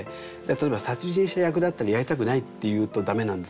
例えば殺人者役だったらやりたくないっていうと駄目なんですよね。